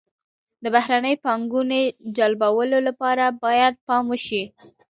د بهرنۍ پانګونې جلبولو لپاره باید پام وشي.